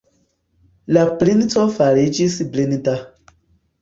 La princo fariĝis blinda.